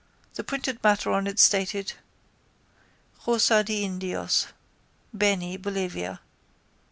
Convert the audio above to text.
The printed matter on it stated: _Choza de Indios. Beni, Bolivia.